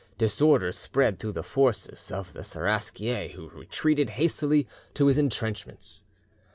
Disorder spread through the forces of the Seraskier, who retreated hastily to his intrenchments.